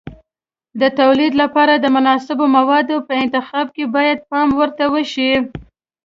د تولید لپاره د مناسبو موادو په انتخاب کې باید پام ورته وشي.